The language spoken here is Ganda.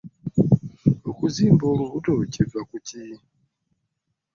Okuzimba olubuto kuva ku ki?